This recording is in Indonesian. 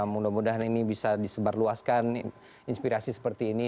mudah mudahan ini bisa disebarluaskan inspirasi seperti ini